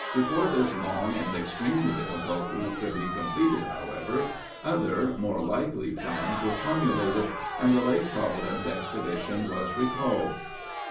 Before this long and extremely difficult route could be completed, however, other, more likely, plans were formulated, and the Lake Providence expedition was recalled.